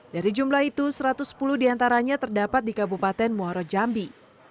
dari jumlah itu satu ratus sepuluh diantaranya terdapat di kabupaten muara jambi